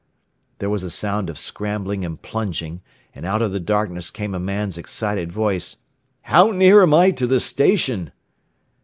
There was a sound of scrambling and plunging, and out of the darkness came a man's excited voice: "How near am I to the station?"